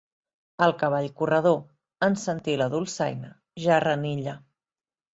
El cavall corredor, en sentir la dolçaina, ja renilla.